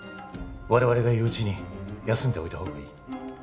我々がいるうちに休んでおいた方がいい